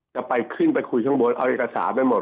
จะไปขึ้นตะหมดไปคุยข้างบนเอาอักษาให้หมด